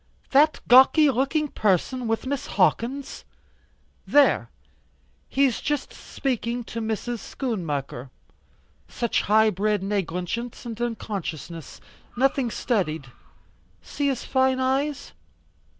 That gawky looking person, with Miss Hawkins?" "There. He's just speaking to Mrs. Schoonmaker. Such high bred negligence and unconsciousness. Nothing studied. See his fine eyes."